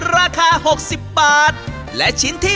ราคา๖๐บาท